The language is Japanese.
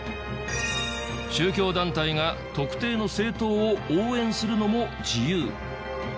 宗教団体が特定の政党を応援するのも自由。